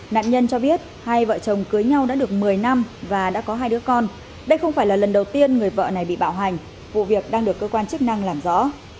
nạn nhân cho biết hai vợ chồng cưới nhau đã được một mươi năm và đã có hai đứa con đây không phải là lần đầu tiên người vợ này bị bạo hành vụ việc đang được cơ quan chức năng làm rõ